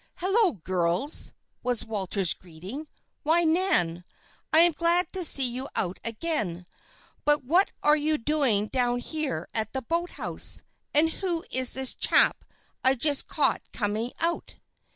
"Hullo, girls!" was Walter's greeting. "Why, Nan! I'm glad to see you out again. But what are you doing down here at the boathouse? And who is this chap I just caught coming out?"